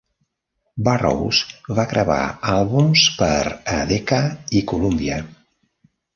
Burrows va gravar àlbums per a Decca i Columbia.